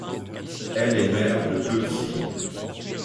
Elle est mère de deux filles.